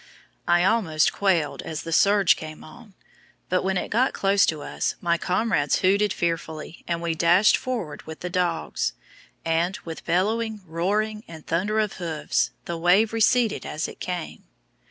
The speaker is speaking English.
I almost quailed as the surge came on, but when it got close to us my comrades hooted fearfully, and we dashed forward with the dogs, and, with bellowing, roaring, and thunder of hoofs, the wave receded as it came.